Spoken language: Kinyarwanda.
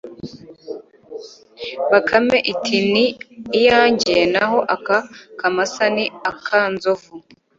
bakame iti 'ni iyanjye naho aka kamasa ni aka nzovu